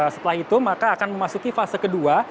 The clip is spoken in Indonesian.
setelah itu maka akan memasuki fase kedua